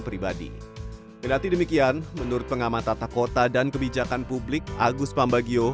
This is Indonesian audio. pribadi berarti demikian menurut pengamat tata kota dan kebijakan publik agus pambagio